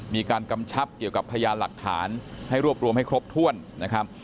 กำชับเกี่ยวกับพยานหลักฐานให้รวบรวมให้ครบถ้วนนะครับ